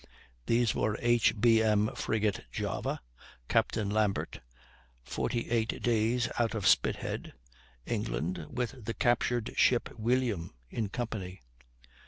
These were H. B. M. frigate Java, Captain Lambert, forty eight days out of Spithead, England, with the captured ship William in company.